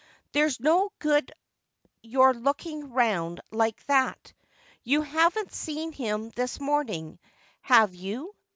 There's no good your looking round like that. You haven't seen him this morning, have you